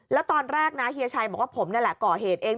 แล้วตอนแรกนะเฮียชัยบอกว่าผมนั่นแหละก่อเหตุเอง